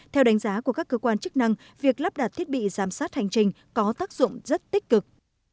theo đánh giá của các cơ quan chức năng việc lắp đặt thiết bị giám sát hành trình có tác dụng rất tích cực